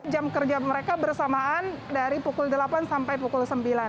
jam kerja mereka bersamaan dari pukul delapan sampai pukul sembilan